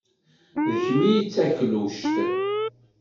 D kemm ay d takluct.